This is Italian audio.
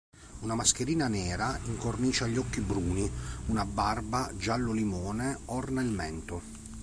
Una mascherina nera incornicia gli occhi bruni, una barba giallo limone orna il mento.